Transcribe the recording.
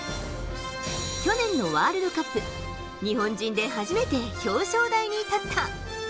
去年のワールドカップ、日本人で初めて表彰台に立った。